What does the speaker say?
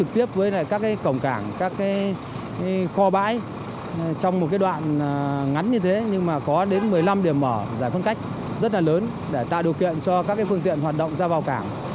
tại điều kiện cho các phương tiện hoạt động ra vào cảng